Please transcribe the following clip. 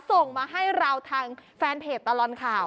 ส่งมาให้เราทางแฟนเพจตลอดข่าว